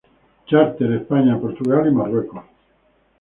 Charter: España, Portugal y Marruecos.